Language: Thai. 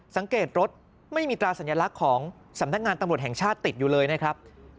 สังเกตรถไม่มีตราสัญลักษณ์ของสำนักงานตำรวจแห่งชาติติดอยู่เลยนะครับ